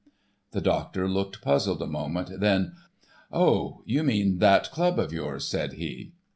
The doctor looked puzzled a moment; then—"Oh! you mean that club of yours," said he.